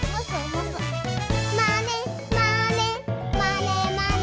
「まねまねまねまね」